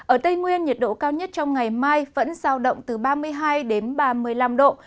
ở tây nguyên nhiệt độ cao nhất trong ngày mai vẫn giao động từ ba mươi hai đến ba mươi năm độ